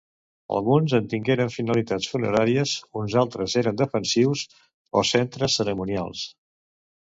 Alguns en tingueren finalitats funeràries, uns altres eren defensius o centres cerimonials.